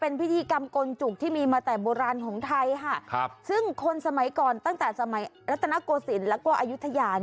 เป็นพิธีกรรมกลจุกที่มีมาแต่โบราณของไทยค่ะซึ่งคนสมัยก่อนตั้งแต่สมัยรัตนโกศิลป์แล้วก็อายุทยา